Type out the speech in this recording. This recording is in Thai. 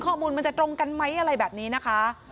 ข้อมูลมันจะตรงกันไหมอะไรแบบนี้นะคะ